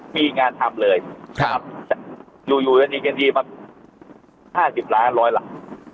มีงานทำเลยครับอยู่อยู่จะดีกันทีประมาท๕๐ล้านบาทร้อยหลัก